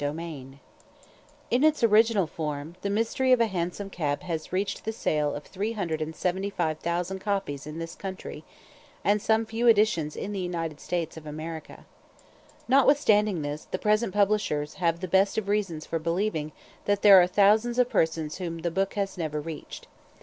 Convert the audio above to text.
PREFACE In its original form, "The Mystery of a Hansom Cab" has reached the sale of 375,000 copies in this country, and some few editions in the United States of America. Notwithstanding this, the present publishers have the best of reasons for believing, that there are thousands of persons whom the book has never reached.